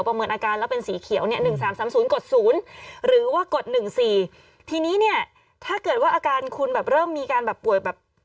เป็นสีเขียว๑๓๓๐กด๐หรือกด๑๔ทีนี้เนี่ยถ้าเกิดว่าอาการคุณแบบเริ่มมีการแบบป่วยแบบ